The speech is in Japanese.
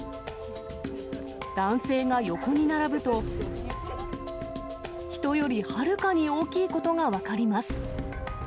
男性が横に並ぶと、人よりはるかに大きいことが分かります。